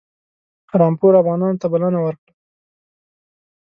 رامپور افغانانو ته بلنه ورکړه.